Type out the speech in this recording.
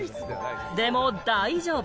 でも大丈夫！